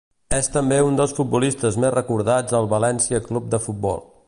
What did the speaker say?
És també un dels futbolistes més recordats al València Club de Futbol.